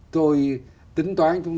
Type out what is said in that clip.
tôi tính toán chúng ta